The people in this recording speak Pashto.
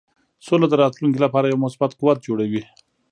سوله د راتلونکې لپاره یو مثبت قوت جوړوي.